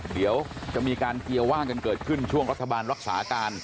เดี๋ยวจะมีการเกียร์ว่างกันเกิดขึ้นช่วงรัฐบาลรักษาการ